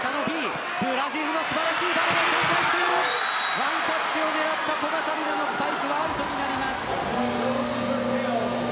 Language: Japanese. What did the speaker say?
ワンタッチを狙った古賀紗理那のスパイクはアウトになります。